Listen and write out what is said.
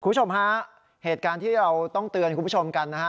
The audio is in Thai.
คุณผู้ชมฮะเหตุการณ์ที่เราต้องเตือนคุณผู้ชมกันนะฮะ